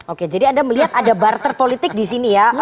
oke jadi anda melihat ada barter politik di sini ya